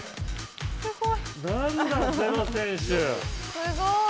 すごい。